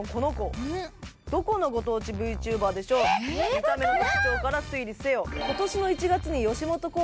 見た目の特徴から推理せよ。